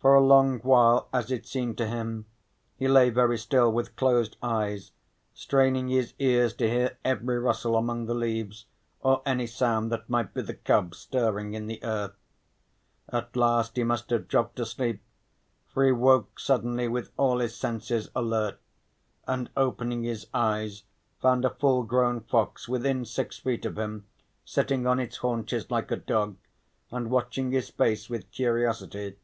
For a long while, as it seemed to him, he lay very still, with closed eyes, straining his ears to hear every rustle among the leaves, or any sound that might be the cubs stirring in the earth. At last he must have dropped asleep, for he woke suddenly with all his senses alert, and opening his eyes found a full grown fox within six feet of him sitting on its haunches like a dog and watching his face with curiosity.